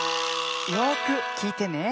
よくきいてね。